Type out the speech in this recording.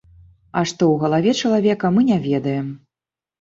А што ў галаве чалавека, мы не ведаем.